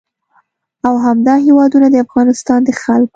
او همدا هېوادونه د افغانستان د خلکو